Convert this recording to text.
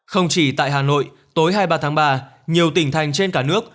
không chỉ tại hà nội tối hai mươi ba tháng ba nhiều tỉnh thành trên cả nước